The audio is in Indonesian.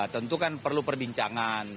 tentu kan perlu perbincangan